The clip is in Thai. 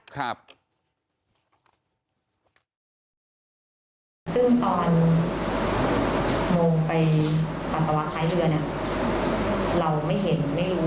คือซึ่งตอนโมไปปักษ์ประวักษณ์ใครเรือยนี่เราไม่เห็นไม่รู้